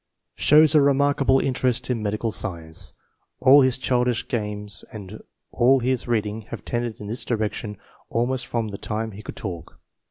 Shows a remarkable interest in medical science. All his childish games and all his reading have tended in this direction almost from the time he could talk.